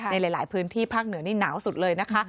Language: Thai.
ในหลายพื้นที่ภาคเหนือนี่หนาวสุดเลยนะคะ